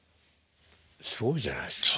すごいじゃないですか。